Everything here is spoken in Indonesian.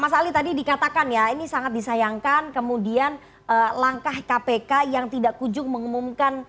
mas ali tadi dikatakan ya ini sangat disayangkan kemudian langkah kpk yang tidak kujung mengumumkan